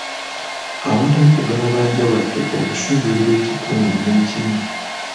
Awatali kugalabanja wadde okusuulirira ekitundu nekimu.